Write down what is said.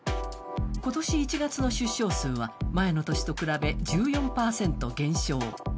今年１月の出生数は前の年と比べ１４％減少。